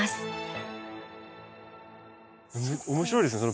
面白いですね。